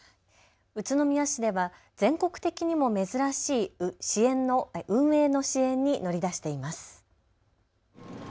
宇都宮市では全国的にも珍しい運営の支援に乗り出しています。